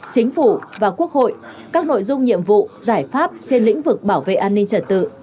chính phủ và quốc hội các nội dung nhiệm vụ giải pháp trên lĩnh vực bảo vệ an ninh trật tự